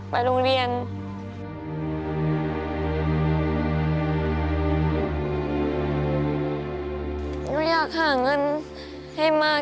หวังว่า